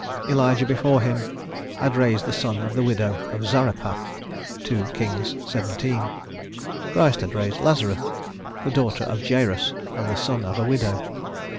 Elijah, before him, had raised the son of the Widow of Zarephath (2 Kings xvii.); Christ had raised Lazarus, the daughter of Jairus, and the son of a widow.